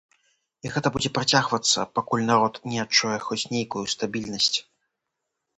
І гэта будзе працягвацца, пакуль народ не адчуе хоць нейкую стабільнасць.